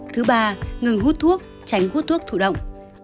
thứ ba ngừng hút thuốc tránh hút thuốc thủ động